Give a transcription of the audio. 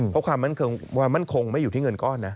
เพราะความมั่นคงไม่อยู่ที่เงินก้อนนะ